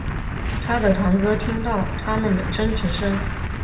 他的堂哥听到他们的争执声